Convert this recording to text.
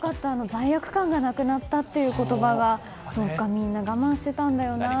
罪悪感がなくなったという言葉がそうか、みんな我慢していたんだよなとね。